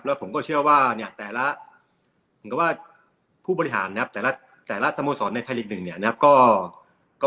แล้วผมก็เชื่อว่าเนี่ยแต่ละผมก็ว่าผู้บริหารนะครับแต่ละสโมสรในไทยฤทธิ์หนึ่งเนี่ยนะครับก็